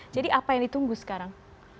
jadi apa yang ditunggu sekarang